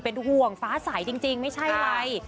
เป็นห่วงฟ้าใสจริงไม่ใช่อะไร